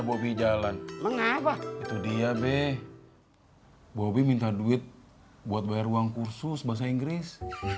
bobby jalan mengapa itu dia be bobby minta duit buat bayar uang kursus bahasa inggris